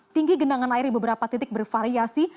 tinggi genangan air di beberapa titik bervariasi